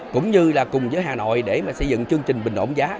cũng như là cùng với hà nội để mà xây dựng chương trình bình ổn giá